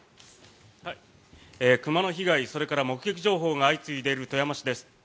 熊の被害、それから目撃情報が相次いでいる富山市です。